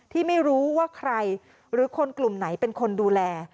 ที่ไม่รู้ว่าใครหรือคนกลุ่มไหนเป็นคนดูแล